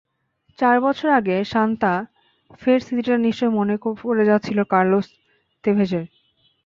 চার বছর আগে সান্তা ফের স্মৃতিটা নিশ্চয়ই মনে পড়ে যাচ্ছিল কার্লোস তেভেজের।